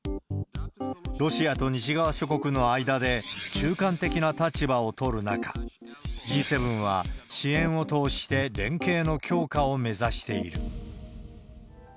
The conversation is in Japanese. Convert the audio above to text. ロシアと西側諸国の間で、中間的な立場を取る中、Ｇ７は、支援を通して連携の強化を目指している。